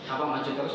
apa maju terus